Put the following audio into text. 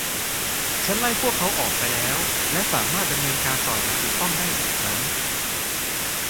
ฉันไล่พวกเขาออกไปแล้วและสามารถดำเนินการต่ออย่างถูกต้องได้อีกครั้ง